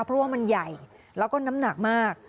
เพราะว่ามันใหญ่แล้วก็น้ำหนักมาก